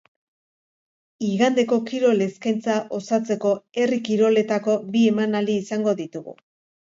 Igandeko kirol eskaintza osatzeko herri kiroletako bi emanaldi izango ditugu.